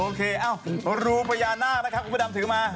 โอเคโอเคอ้าวรูประญาณานะครับอุปดัมถือมา